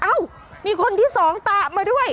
อ้าวมีคนที่๒ตะมาด้วย